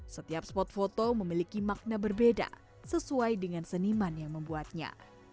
setiap spot foto memiliki makna berbeda sesuai dengan seniman yang membuatnya